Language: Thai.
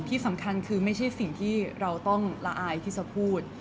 ที่สำคัญคือไม่ใช่สิ่งที่เราต้องละอายที่จะพูด